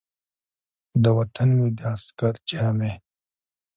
د وطن مې د عسکر جامې ،